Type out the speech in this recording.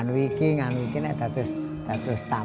bukan hanya berpikir pikir saja